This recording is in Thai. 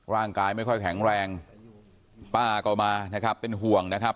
ร่างกายไม่ค่อยแข็งแรงป้าก็มานะครับเป็นห่วงนะครับ